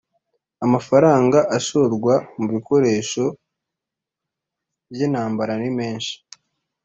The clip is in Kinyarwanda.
amafaranga ashorwa mubikoresho byintambara ni menshi